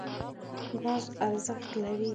ګاز ارزښت لري.